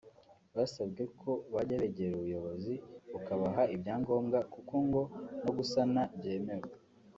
basabwe ko bajya begera ubuyobozi bukabaha ibyangombwa kuko ngo no gusana byemewe